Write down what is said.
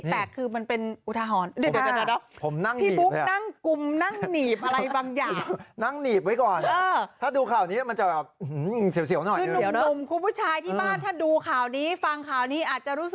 แต่คือมันเป็นอุทหรณ์